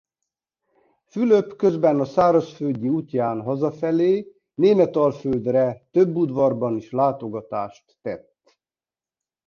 Fülöp közben a szárazföldi útján hazafelé Németalföldre több udvarban is látogatást tett.